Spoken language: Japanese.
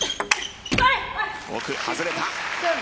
奥外れた。